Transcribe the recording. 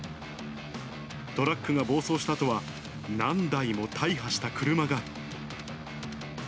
トラックが暴走したあとは、何台も大破した車が。